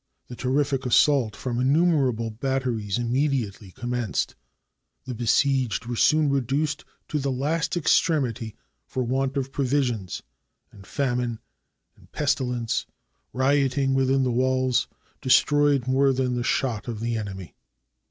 The terrific assault from innumerable batteries immediately com menced. The besieged were soon reduced to the last extremity for want of provisions, and famine and pesti lence, rioting within the walls, destroyed more than the shot of the enemy.